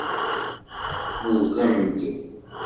Nugem-d.